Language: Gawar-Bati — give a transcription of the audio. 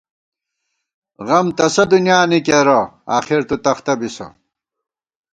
غم تسہ دُنیا نی کېرہ آخر تُو تختہ بِسہ